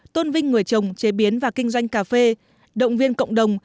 tôn vinh người trồng chế biến và kinh doanh cà phê động viên cộng đồng